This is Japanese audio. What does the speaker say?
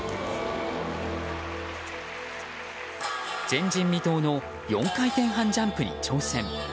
前人未到の４回転半ジャンプに挑戦。